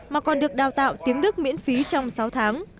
mà còn được đào tạo tiếng đức miễn phí trong sáu tháng